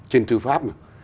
trên thư pháp